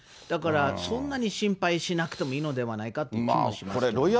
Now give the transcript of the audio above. だから、そんなに心配しなくてもいいのではないかという気もしますけど。